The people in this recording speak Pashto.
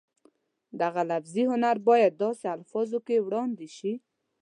دغه لفظي هنر باید داسې الفاظو کې وړاندې شي